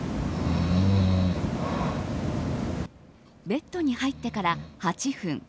ベッドに入ってから８分。